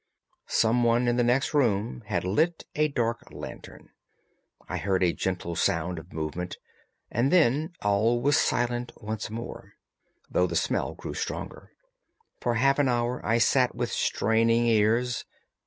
Someone in the next room had lit a dark lantern. I heard a gentle sound of movement, and then all was silent once more, though the smell grew stronger. For half an hour I sat with straining ears.